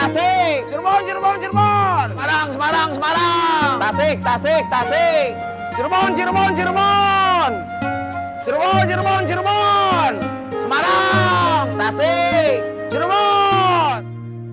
semarang tasik tasik cirebon cirebon cirebon